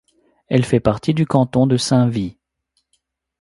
Elle fait partie du canton de Saint-Vit.